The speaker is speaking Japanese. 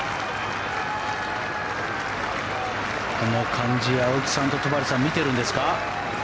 この感じ青木さんと戸張さん見ているんですか？